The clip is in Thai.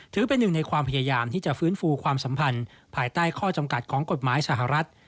ถือเป็นหนึ่งในความพยายามที่จะฟื้นฟูความสัมพันธ์ภายใต้ข้อจำกัดของกฎหมายสหรัฐ